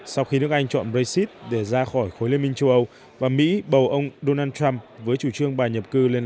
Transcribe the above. sau khi nước anh chọn brexit để ra khỏi khối liên minh châu âu và mỹ bầu ông donald trump